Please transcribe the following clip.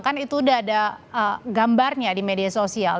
kan itu udah ada gambarnya di media sosial